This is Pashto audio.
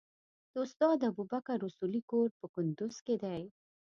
د استاد ابوبکر اصولي کور په کندوز کې دی.